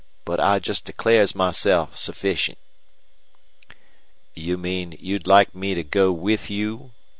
But I just declares myself sufficient." "You mean you'd like me to go with you?"